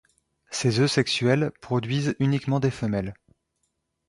Ces œufs sexuels produisent uniquement des femelles.